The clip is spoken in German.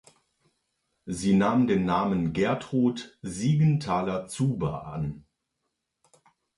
Sie nahm den Namen Gertrud Siegenthaler-Zuber an.